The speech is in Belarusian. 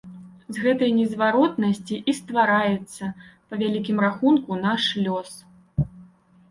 З гэтай незваротнасці і ствараецца, па вялікім рахунку, наш лёс.